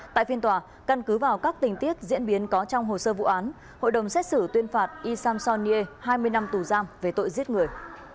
tại phiên tòa căn cứ vào các tình tiết diễn biến có trong hồ sơ vụ án hội đồng xét xử tuyên phạt y samson nghê hai mươi năm tù giam về tội giết người